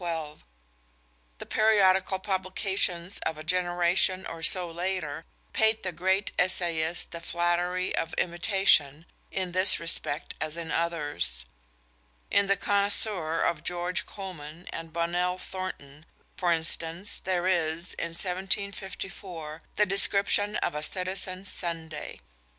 The periodical publications of a generation or so later paid the great essayist the flattery of imitation in this respect as in others. In the Connoisseur of George Colman and Bonnell Thornton, for instance, there is, in 1754, the description of a citizen's Sunday.